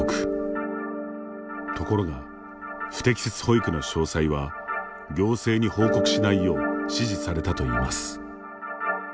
ところが、不適切保育の詳細は行政に報告しないよう指示されたといいます。